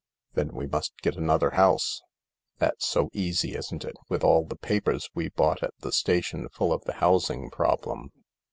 "Then we must get another house." "That's so easy, isn't it, with all the papers we bought at the station full of the housing problem